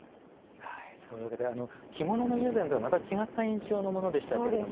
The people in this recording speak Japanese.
着物の友禅とはまた違った印象のものでしたけれども。